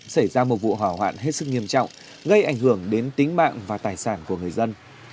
xảy ra một vụ hỏa hoạn hết sức nghiêm trọng gây ảnh hưởng đến tính mạng và tài sản của người dân